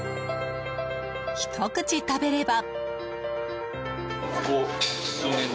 ひと口食べれば。